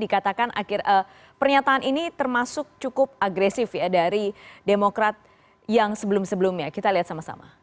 dikatakan akhir pernyataan ini termasuk cukup agresif ya dari demokrat yang sebelum sebelumnya kita lihat sama sama